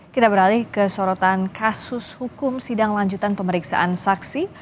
kita beralih ke sorotan kasus hukum sidang lanjutan pemeriksaan saksi